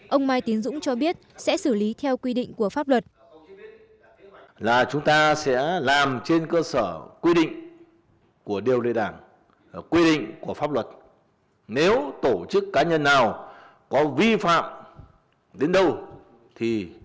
ông mai tiến dũng cho biết sẽ xử lý theo quy định của pháp luật